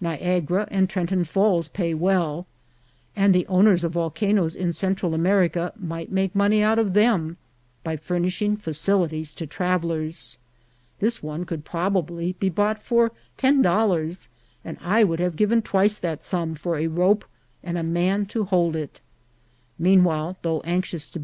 Niagara and Trenton Falls pay well, and the owners of volcanoes in Central America might make money out of them by furnishing facilities to travellers. This one could probably be bought for ten dollars, and I would have given twice that sum for a rope and a man to hold it. Meanwhile, though anx ious to.